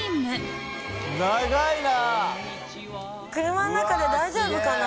車の中で大丈夫かな？